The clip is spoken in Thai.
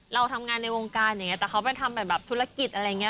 เราทำงานในวงการอย่างนี้แต่เขาไปทำแบบธุรกิจอะไรอย่างนี้